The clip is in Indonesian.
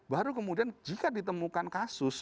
baru kemudian jika ditemukan kasus